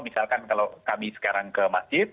misalkan kalau kami sekarang ke masjid